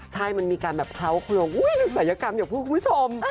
ใช่มันมีการแบบเข้าคลวงศัลยกรรมอยู่กับผู้คุณผู้ชม